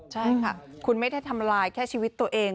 ใช่ค่ะคุณไม่ได้ทำลายแค่ชีวิตตัวเอง